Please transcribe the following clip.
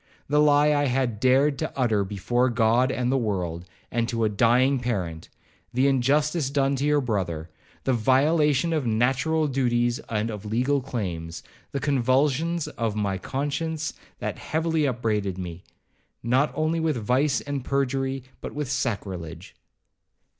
The lie I had dared to utter before God and the world, and to a dying parent,—the injustice done to your brother,—the violation of natural duties and of legal claims,—the convulsions of my conscience, that heavily upbraided me, not only with vice and perjury, but with sacrilege.'